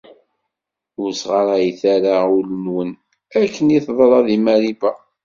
Ur sɣarayet ara ul-nwen akken i teḍra di Mariba.